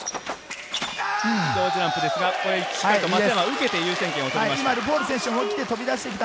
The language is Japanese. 同時ランプですが、しっかり松山は受けて、優先権を取りました。